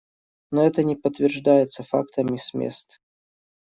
Но это не подтверждается фактами с мест.